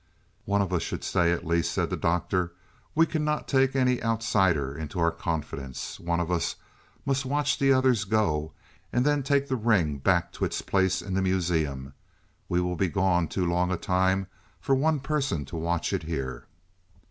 "One of us should stay at least," said the Doctor. "We cannot take any outsider into our confidence. One of us must watch the others go, and then take the ring back to its place in the Museum. We will be gone too long a time for one person to watch it here."